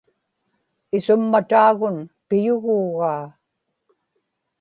isummataagun piyuguugaa